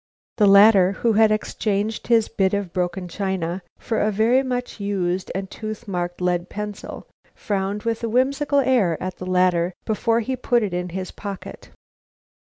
The latter, who had exchanged his bit of broken china for a very much used and tooth marked lead pencil, frowned with a whimsical air at the latter before he put it in his pocket.